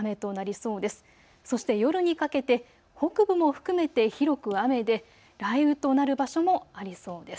そして夜にかけて、北部も含めて広く雨で雷雨となる場所もありそうです。